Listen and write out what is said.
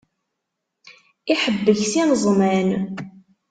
Iḥebbek s yineẓman.